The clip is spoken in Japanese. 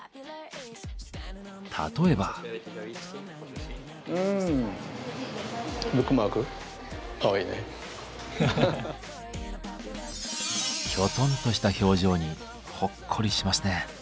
例えば。きょとんとした表情にほっこりしますね。